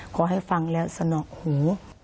ขอให้ฟังแล้วสนอกหู